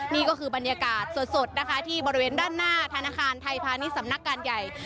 นี่ก็คือบรรยากาศสดนะคะที่บริเวณด้านหน้าธนาคารไทยพาณิชย์สำนักการใหญ่